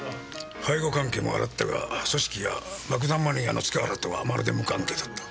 背後関係も洗ったが組織や爆弾マニアの塚原とはまるで無関係だった。